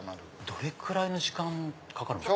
どれくらいの時間かかるんですか。